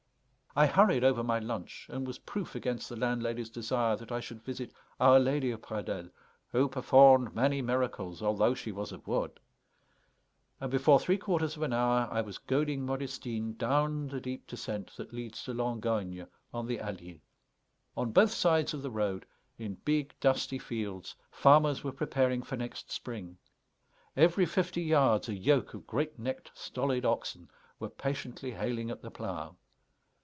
I hurried over my lunch, and was proof against the landlady's desire that I should visit our Lady of Pradelles, "who performed many miracles, although she was of wood," and before three quarters of an hour I was goading Modestine down the deep descent that leads to Langogne on the Allier. On both sides of the road, in big dusty fields, farmers were preparing for next spring. Every fifty yards a yoke of great necked stolid oxen were patiently haling at the plough.